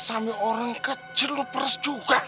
sama orang kecil lu pers juga